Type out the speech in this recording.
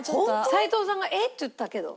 齊藤さんが「えっ！」って言ったけど。